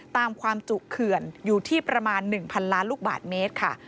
ตามความจุเขื่อนอยู่ที่ประมาณ๑๐๐ล้านลูกบาทเมตรค่ะ